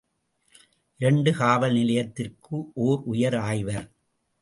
இரண்டு காவல் நிலையத்திற்கு ஒர் உயர் ஆய்வர்.